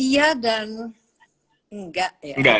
iya dan enggak